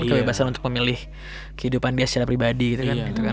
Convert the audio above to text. kebebasan untuk memilih kehidupan dia secara pribadi gitu kan